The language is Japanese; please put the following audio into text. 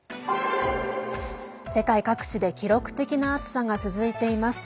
世界各地で記録的な暑さが続いています。